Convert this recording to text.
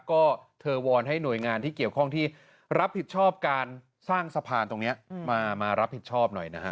ก็เธอวอนให้หน่วยงานที่เกี่ยวข้องที่รับผิดชอบการสร้างสะพานตรงนี้มารับผิดชอบหน่อยนะฮะ